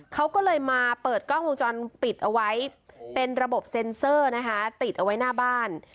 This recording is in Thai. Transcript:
เขาก็เลยมาเปิดกล้องวงจรปิดเอาไว้เป็นระบบเซ็นเซอร์นะคะติดเอาไว้หน้าบ้าน